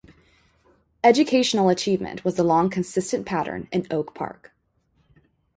Educational achievement was the long consistent pattern in Oak Park.